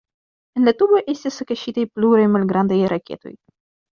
En la tuboj estis kaŝitaj pluraj malgrandaj raketoj.